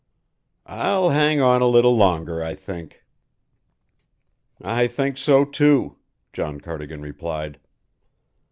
"I'll hang on a little longer, I think." "I think so, too," John Cardigan replied.